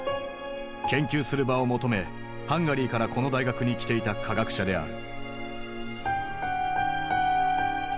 研究する場を求めハンガリーからこの大学に来ていた科学者である。